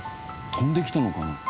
飛んできたのかな？